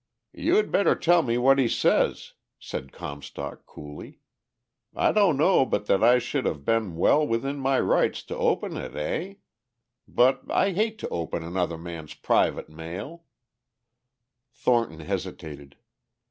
"You had better tell me what he says," said Comstock coolly. "I don't know but that I should have been well within my rights to open it, eh? But I hate to open another man's private mail." Thornton hesitated.